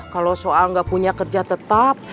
kalau soal nggak punya kerja tetap